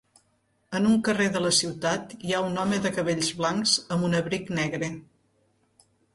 En un carrer de la ciutat hi ha un home de cabells blancs amb un abric negre.